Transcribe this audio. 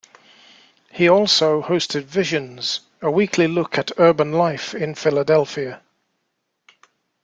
He also hosted "Visions", a weekly look at urban life in Philadelphia.